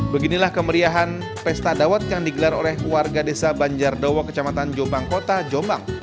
beginilah kemeriahan pesta dawet yang digelar oleh warga desa banjardowo kecamatan jombang kota jombang